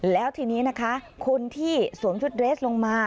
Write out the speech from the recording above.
แล้วทีนี้นะคะคนที่สวมชุดเรสลงมา